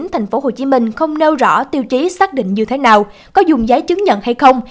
tp hcm không nêu rõ tiêu chí xác định như thế nào có dùng giấy chứng nhận hay không